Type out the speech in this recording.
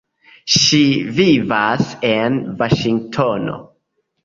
Ŝi vivas en Vaŝingtono.